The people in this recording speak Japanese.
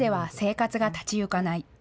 このままでは生活が立ち行かない。